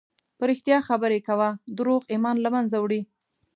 په رښتیا خبرې کوه، دروغ ایمان له منځه وړي.